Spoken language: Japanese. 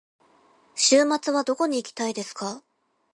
週末はどこに行きたいですか。